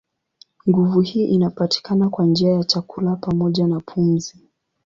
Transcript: Nguvu hii inapatikana kwa njia ya chakula pamoja na pumzi.